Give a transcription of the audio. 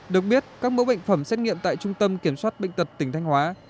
được biết các mẫu bệnh phẩm xét nghiệm tại trung tâm kiểm soát bệnh tật tỉnh thanh hóa